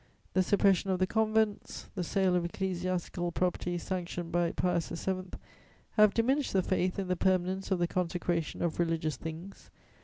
The suppression of the convents, the sale of ecclesiastical property sanctioned by Pius VII. have diminished the faith in the permanence of the consecration of religious things.